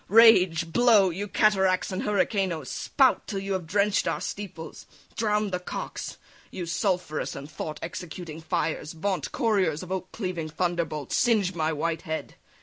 rage! blow! You cataracts and hurricanoes spout Till you have drench'd our steeples, drown'd the cocks! You sulphurous thought executing fires Vaunt couriers of oak cleaving thunderbolts Singe my white head!